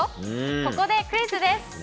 ここでクイズです。